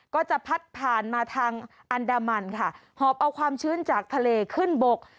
ก็จะพัดผ่านมาทางอันดามันค่ะหอบเอาความชื้นจากทะเลขึ้นบก